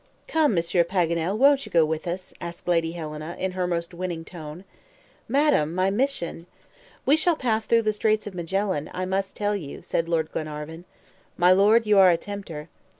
"Come, Monsieur Paganel, will you go with us?" asked Lady Helena, in her most winning tone. "Madam, my mission?" "We shall pass through the Straits of Magellan, I must tell you," said Lord Glenarvan. "My Lord, you are a tempter."